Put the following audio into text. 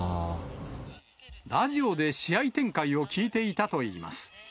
ラジオで試合展開を聞いていたといいます。